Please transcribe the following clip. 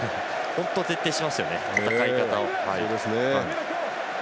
本当に徹底していますね戦い方を。